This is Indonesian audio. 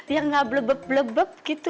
yang gak blebeb blebeb gitu